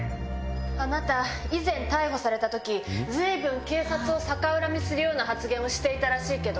あなた以前逮捕された時随分警察を逆恨みするような発言をしていたらしいけど？